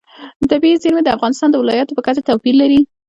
طبیعي زیرمې د افغانستان د ولایاتو په کچه توپیر لري.